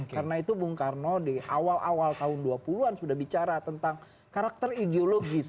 karena itu bu nkarno di awal awal tahun dua puluh an sudah bicara tentang karakter ideologis